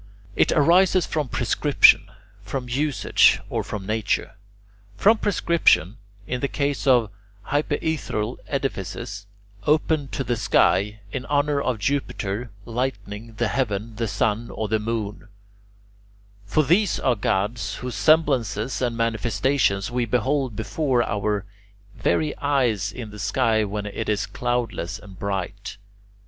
It arises from prescription [Greek: (thematismo)], from usage, or from nature. From prescription, in the case of hypaethral edifices, open to the sky, in honour of Jupiter Lightning, the Heaven, the Sun, or the Moon: for these are gods whose semblances and manifestations we behold before our very eyes in the sky when it is cloudless and bright.